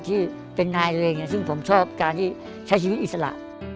ที่เป็นนายตัวเองซึ่งผมชอบการที่ใช้ชีวิตอิสระ